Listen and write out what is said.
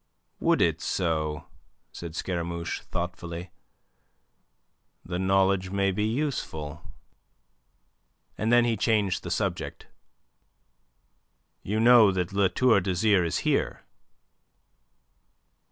"Would it so?" said Scaramouche, thoughtfully. "The knowledge may be useful." And then he changed the subject. "You know that La Tour d'Azyr is here?"